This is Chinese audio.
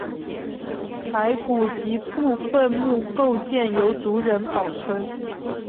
骸骨及部分墓构件由族人保存。